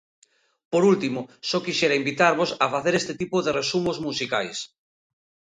Por último, só quixera invitarvos a facer este tipo de resumos musicais.